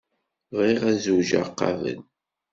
Bɣiɣ ad zweǧeɣ qabel.